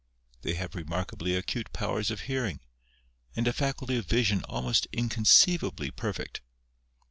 They have remarkably acute powers of hearing, and a faculty of vision almost inconceivably perfect.